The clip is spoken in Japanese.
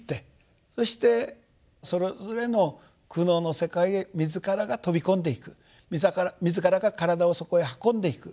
そしてそれぞれの苦悩の世界へ自らが飛び込んでいく自らが体をそこへ運んでいく。